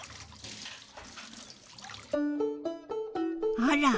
あら！